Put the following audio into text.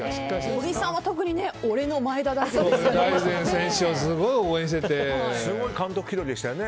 小木さんは特に俺の前田大然ですよね。